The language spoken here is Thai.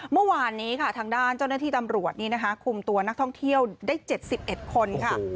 เมื่อวานนี้ค่ะทางด้านเจ้าหน้าที่ตำรวจคุมตัวนักท่องเที่ยวได้๗๑คนค่ะ